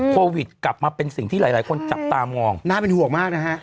โควิดกลับมาเป็นสิ่งที่หลายคนจับตามองน่าเป็นห่วงมากนะฮะ